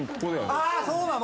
ああそうなの！？